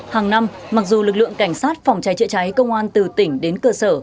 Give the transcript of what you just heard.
hàng năm mặc dù lực lượng cảnh sát phòng cháy chữa cháy công an từ tỉnh đến cơ sở